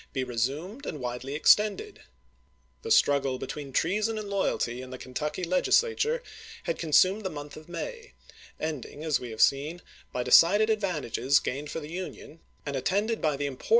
*' be resumed and widely extended. The struggle ^^^^j^l^^^ between treason and loyalty in the Kentucky Legislature had consumed the month of May, end ing, as we have seen, by decided advantages gained for the Union, and attended by the important un 1 The report was signed by C.